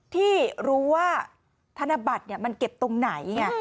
ที่รู้ว่าธนบัตรมันเก็บตรงไหนไง